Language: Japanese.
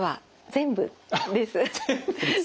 全部ですか？